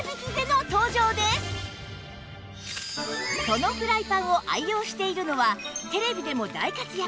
そのフライパンを愛用しているのはテレビでも大活躍